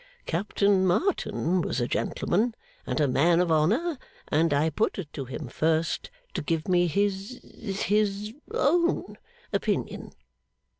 Captain Martin was a gentleman and a man of honour, and I put it to him first to give me his his own opinion.